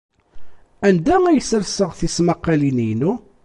Anda ay sserseɣ tismaqqalin-inu?